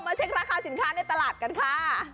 เช็คราคาสินค้าในตลาดกันค่ะ